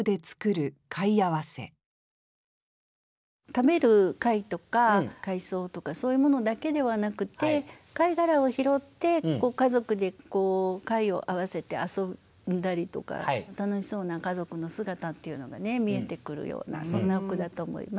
食べる貝とか海藻とかそういうものだけではなくて貝殻を拾って家族で貝を合わせて遊んだりとか楽しそうな家族の姿っていうのがね見えてくるようなそんなお句だと思います。